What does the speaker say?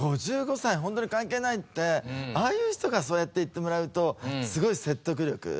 ５５歳ホントに関係ないってああいう人からそうやって言ってもらうとすごい説得力。